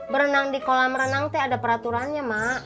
berenang di kolam renang teh ada peraturannya ma